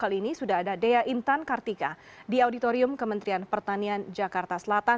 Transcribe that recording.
kali ini sudah ada dea intan kartika di auditorium kementerian pertanian jakarta selatan